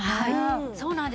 そうなんです。